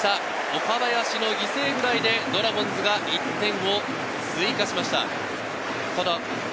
岡林の犠牲フライでドラゴンズが１点を追加しました。